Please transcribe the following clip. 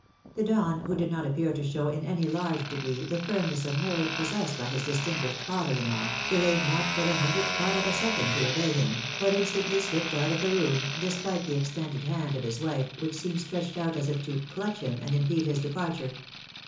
The Don, who did not appear to show in any large degree the firmness of nerve possessed by his distinguished father in law, delayed not for the hundreth part of a second to obey him, but instantly shpped out of the room, despite the extended hand of his wife, which seemed stretched out as if to " clutch him," and impede his departure.